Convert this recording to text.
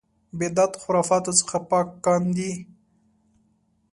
بدعت خرافاتو څخه پاک کاندي.